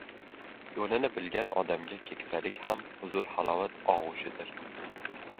Yo‘lini bilgan odamga keksalik ham huzur-halovat og‘ushidir.